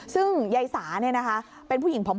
ซึ่งใยสาเนี่ยนะคะเป็นผู้หญิงผอม